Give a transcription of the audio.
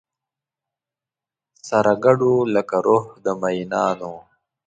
سره ګډو لکه روح د مینانو